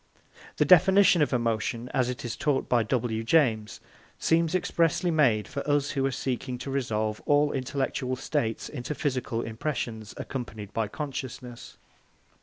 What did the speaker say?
The definition of emotion, as it is taught by W. James, seems expressly made for us who are seeking to resolve all intellectual states into physical impressions accompanied by consciousness.